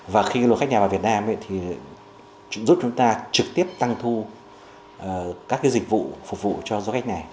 và khi luật khách nhà vào việt nam thì giúp chúng ta trực tiếp tăng thu các dịch vụ phục vụ cho du khách này